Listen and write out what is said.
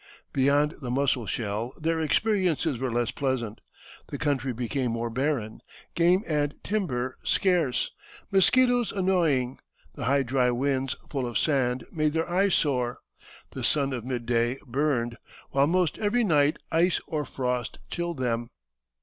Beyond the Musselshell their experiences were less pleasant: the country became more barren, game and timber scarce, mosquitoes annoying; the high dry winds, full of sand, made their eyes sore; the sun of midday burned, while almost every night ice or frost chilled them.